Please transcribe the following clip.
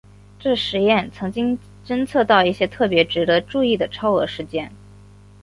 这实验曾经侦测到一些特别值得注意的超额事件。